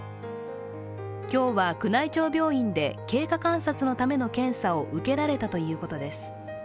今日は宮内庁病院で経過観察のための検査を受けられたということです。